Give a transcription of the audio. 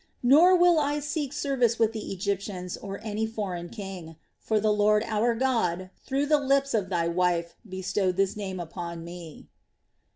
nor will I seek service with the Egyptians or any foreign king; for the Lord our God through the lips of thy wife bestowed this name upon me."